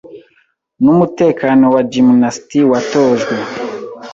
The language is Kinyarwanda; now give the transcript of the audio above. n'umutekano wa gymnast watojwe.